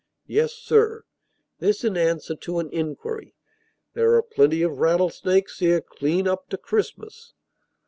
"Yes, sir" (this in answer to an inquiry), "there are plenty of rattlesnakes here clean up to Christmas."